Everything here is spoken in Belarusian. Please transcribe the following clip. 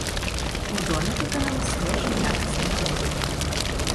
У доме выкананы свежы якасны рамонт.